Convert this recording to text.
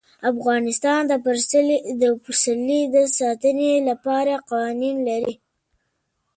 افغانستان د پسرلی د ساتنې لپاره قوانین لري.